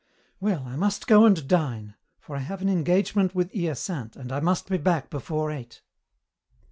Well, I must go and dine, for I have an engagement with Hyacinthe and I must be back before eight."